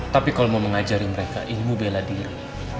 tapi kalau mau mengajari mereka ilmu bela diri